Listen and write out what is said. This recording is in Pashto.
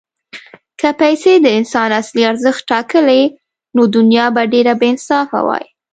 که پیسې د انسان اصلي ارزښت ټاکلی، نو دنیا به ډېره بېانصافه وای.